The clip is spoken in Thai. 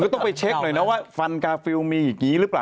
ต้องไปเช็คหน่อยนะว่าฟันกาฟิลมีอย่างนี้หรือเปล่า